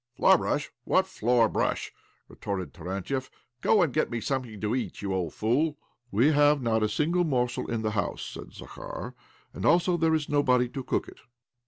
"Floorbrush? What floorbrush?" re torted Tarantiev. " Go arid get me some thing to eat, you old fool !" OBLOMOV 199 " We have not a single morsel in the house," said Zakhax ;" and also there is nobody to cook it."